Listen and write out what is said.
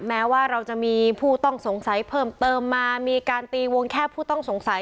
แม้ว่าเราจะมีผู้ต้องสงสัยเพิ่มเติมมามีการตีวงแค่ผู้ต้องสงสัย